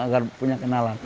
agar punya kenalan